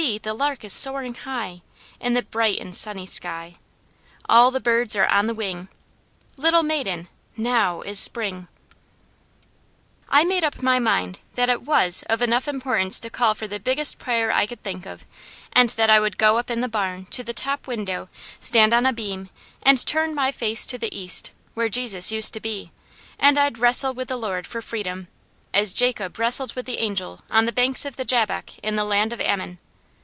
the lark is soaring high, In the bright and sunny sky; All the birds are on the wing: Little maiden, now is spring." I made up my mind that it was of enough importance to call for the biggest prayer I could think of and that I would go up in the barn to the top window, stand on a beam, and turn my face to the east, where Jesus used to be, and I'd wrestle with the Lord for freedom, as Jacob wrestled with the Angel on the banks of the Jabbok in the land of Ammon.